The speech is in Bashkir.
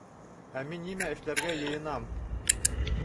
Ә мин нимә эшләргә йыйынам?